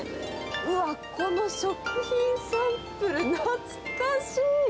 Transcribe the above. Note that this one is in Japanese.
うわっ、この食品サンプル、懐かしい！